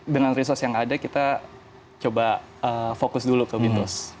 dengan resource yang ada kita coba fokus dulu ke mitos